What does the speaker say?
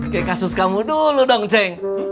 kayak kasus kamu dulu dong ceng